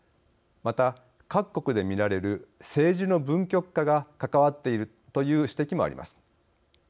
また、各国で見られる政治の分極化が関わっているという指摘もあります。